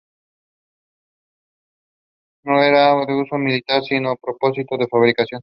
No era de uso militar sino un prototipo de fabricación.